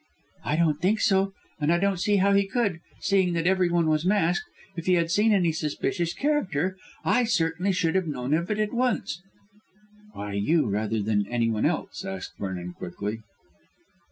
"I don't think so, and I don't see how he could, seeing that everyone was masked. If he had seen any suspicious character I certainly should have known of it at once." "Why you, rather than anyone else?" asked Vernon quickly.